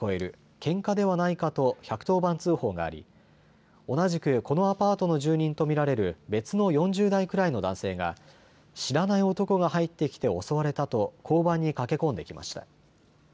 けんかではないかと１１０番通報があり同じくこのアパートの住人と見られる別の４０代くらいの男性が知らない男が入ってきて襲われたと交番に駆け込んできました。